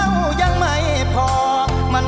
ช่วยฝังดินหรือกว่า